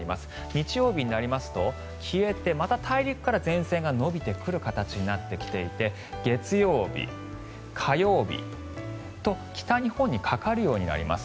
日曜日になりますと消えて、また大陸から前線が延びてくる形になって月曜日、火曜日と北日本にかかるようになります。